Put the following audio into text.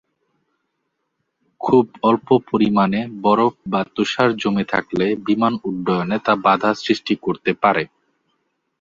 খুব অল্প পরিমানে বরফ বা তুষার জমে থাকলে বিমান উড্ডয়নে তা বাধা সৃষ্টি করতে পারে।